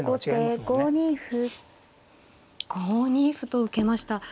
５二歩と受けました。